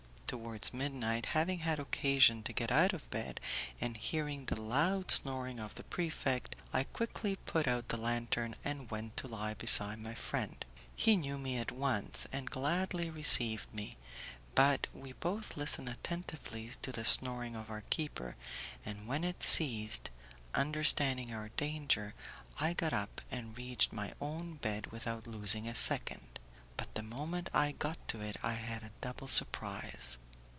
Towards midnight, having had occasion to get out of bed, and hearing the loud snoring of the prefect, I quickly put out the lantern and went to lie beside my friend. He knew me at once, and gladly received me; but we both listened attentively to the snoring of our keeper, and when it ceased, understanding our danger, I got up and reached my own bed without losing a second, but the moment I got to it I had a double surprise.